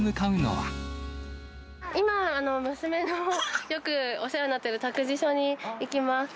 今、娘のよくお世話になってる託児所に行きます。